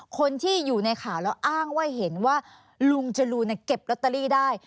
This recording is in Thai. คนที่อยู่ในข่าวแล้วอ้างว่าเห็นว่าลุงจรูนเก็บลอตเตอรี่ได้